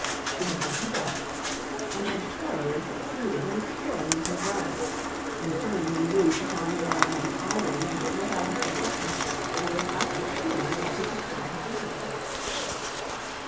She had done her best, and had thoroughly succeeded in spoiling her brother, and turning him loose upon the world an idle man without a profession, and without a shilling that he could call his own.